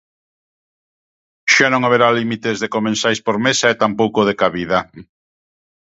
Xa non haberá límites de comensais por mesa e tampouco de cabida.